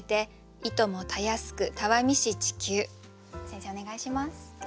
先生お願いします。